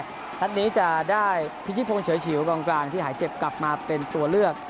นัดนี้จะได้พิชิพงศ์เฉยฉิวกองกลางที่หายเจ็บกลับมาเป็นตัวเลือก